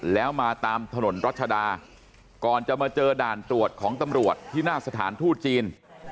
แล้วมาตามถนนรัชดาก่อนจะมาเจอด่านตรวจของตำรวจที่หน้าสถานทูตจีน